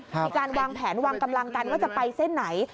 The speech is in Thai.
มีการวางแผนวางกำลังกันว่าจะไปเส้นไหน